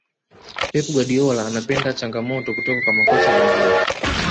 pep guardiola anapenda changamoto kutoka kwa makocha wengine